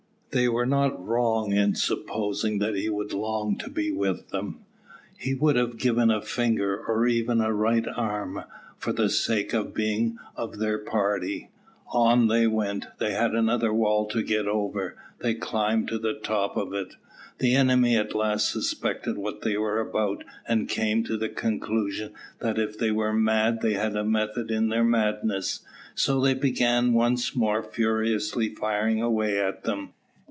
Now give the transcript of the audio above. They were not wrong in supposing that he would long to be with them. He would have given a finger, or even a right arm, for the sake of being of their party. On they went. They had another wall to get over. They climbed to the top of it. The enemy at last suspected what they were about, and came to the conclusion that if they were mad they had method in their madness, so they began once more furiously firing away at them.